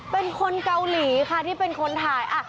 เป็นคนเกาหลีค่ะที่เป็นคนถ่าย